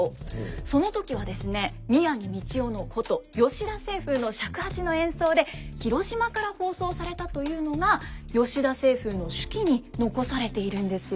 その時はですね宮城道雄の箏吉田晴風の尺八の演奏で広島から放送されたというのが吉田晴風の手記に残されているんですよ。